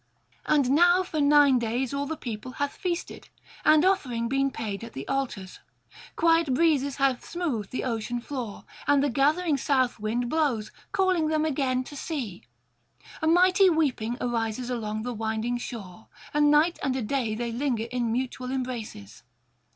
And now for nine days all the people hath feasted, and offering been paid at the altars; quiet breezes have smoothed the ocean floor, and the gathering south wind blows, calling them again to sea. A mighty weeping arises along the winding shore; a night and a day they linger in mutual embraces.